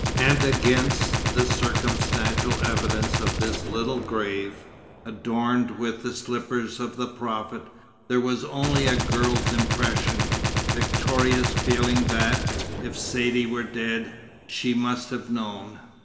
And against the circumstantial evidence of this little grave, adorned with the slippers of the Prophet, there was only a girl's impression Victoria's feeling that, if Saidee were dead, she "must have known."